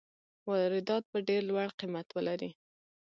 واردات به ډېر لوړ قیمت ولري.